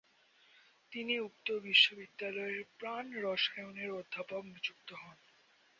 তিনি উক্ত বিশ্ববিদ্যালয়ে প্রাণরসায়নের অধ্যাপক নিযুক্ত হন।